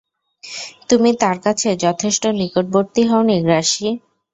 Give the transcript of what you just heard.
তুমি তার কাছে যথেষ্ট নিকটবর্তী হওনি, গ্রাসি।